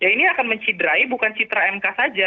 ini akan mencidrai bukan citra mk saja